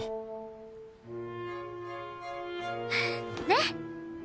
ねっ？